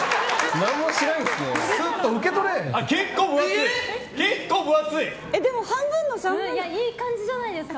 何もしないんですね。